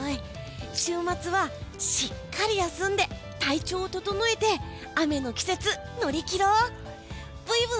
週末はしっかり休んで体調を整えて雨の季節、乗り切ろう！